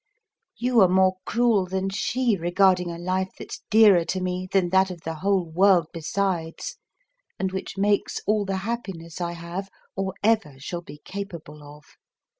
You are more cruel than she regarding a life that's dearer to me than that of the whole world besides, and which makes all the happiness I have or ever shall be capable of.